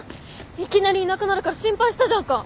いきなりいなくなるから心配したじゃんか！